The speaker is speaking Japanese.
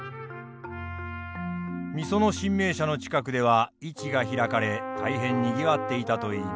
御園神明社の近くでは市が開かれ大変にぎわっていたといいます。